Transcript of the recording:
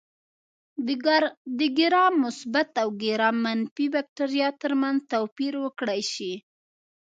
د ګرام مثبت او ګرام منفي بکټریا ترمنځ توپیر وکړای شي.